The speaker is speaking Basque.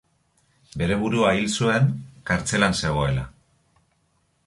Bere burua hil zuen kartzelan zegoela.